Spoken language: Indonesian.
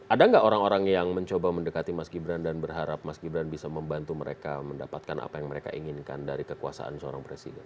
ada nggak orang orang yang mencoba mendekati mas gibran dan berharap mas gibran bisa membantu mereka mendapatkan apa yang mereka inginkan dari kekuasaan seorang presiden